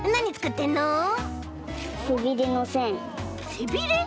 せびれ？